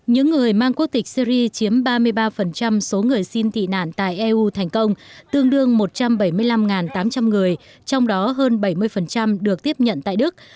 những người mang quốc tịch syri chiếm ba mươi ba số người xin tị nạn tại eu thành công tương đương một trăm bảy mươi năm tám trăm linh người trong đó hơn bảy mươi được tiếp nhận tại đức